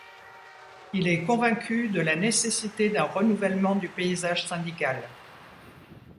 Il est convaincu de la nécessité d’un renouvellement du paysage syndical.